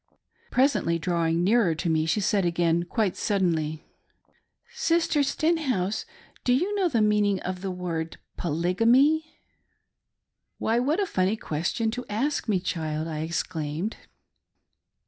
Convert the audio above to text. Presently drawing nearer to me, she said again quite suddenly, " Sister Stenhouse, do you know the meaning of the word Polygamy !" "Why, what a funny question to ask me, child!" I ex claimed.